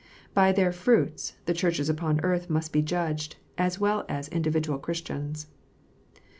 "By their fruits " the Churches upon earth must be judged, as well as individual Christians.